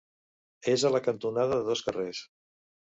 És a la cantonada de dos carrers.